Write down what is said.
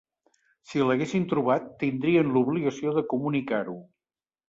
Si l’haguessin trobat, tindrien l’obligació de comunicar-ho.